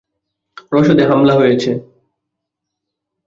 রসদে হামলা হয়েছে!